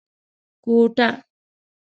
کوټه